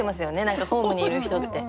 何かホームにいる人って。